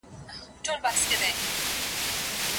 که تاته خلک ساحر، کاهن او مجنون وايي.